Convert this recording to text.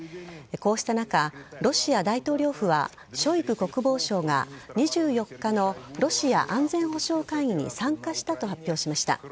こうした中ロシア大統領府はショイグ国防相が２４日のロシア安全保障会議に参加したと発表しました。